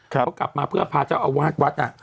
เขากลับมาเพื่อพาเจ้าอาวาสวัดน่ะ